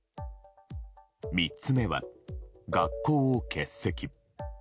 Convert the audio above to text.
３つ目は、学校を欠席。